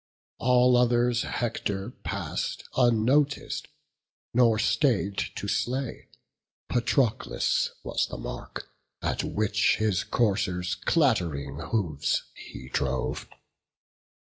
All others Hector pass'd unnotic'd by, Nor stay'd to slay; Patroclus was the mark At which his coursers' clatt'ring hoofs he drove.